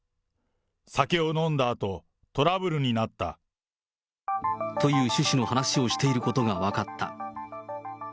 酒を飲んだあと、という趣旨の話をしていることが分かった。